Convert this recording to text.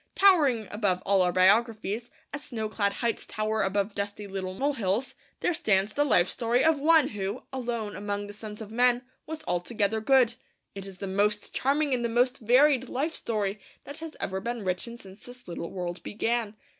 Towering above all our biographies, as snowclad heights tower above dusty little molehills, there stands the life story of One who, alone among the sons of men, was altogether good. It is the most charming and the most varied life story that has ever been written since this little world began.